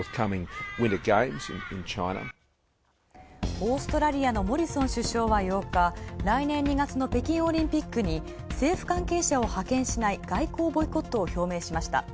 オーストラリアのモリソン首相は８日、来年２月の北京オリンピックに政府関係者を派遣しない外交ボイコットを表明した。